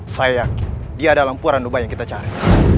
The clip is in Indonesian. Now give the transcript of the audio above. saya yakin dia adalah puran ubah yang kita cari